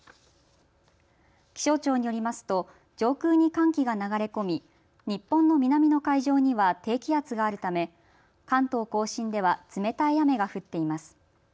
気象庁によりますと上空に寒気が流れ込み日本の南の海上には低気圧があるため関東甲信では冷たい雨が降っています。